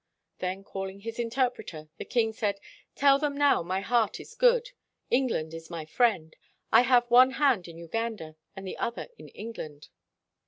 Then calling his interpreter, the king said: "Tell them now my heart is good; England is my friend. I have one hand in Uganda, and the other in England.